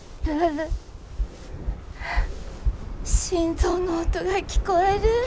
心臓の音が聞こえる。